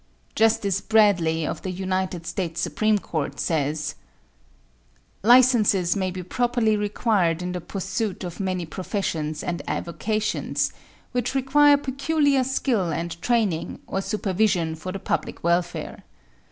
Justice Bradley, of the United States Supreme Court, says: Licenses may be properly required in the pursuit of many professions and avocations, which require peculiar skill and training or supervision for the public welfare.